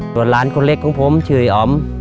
ส่วนหลานคนเล็กของผมชื่อไออ๋อม